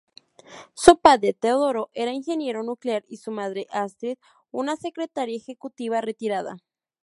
Su padre, Teodoro era ingeniero nuclear y su madre, Astrid, una secretaria ejecutiva retirada.